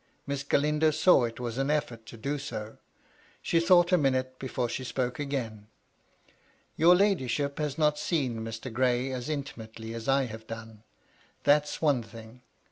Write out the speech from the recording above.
Miss Galindo saw it was an effort to do so. She thought a minute before she spoke again. '^ Your ladyship has not seen Mr. Gray as intimately as I have done. That's one thing.